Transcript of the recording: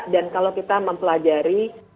dan kalau kita mempelajari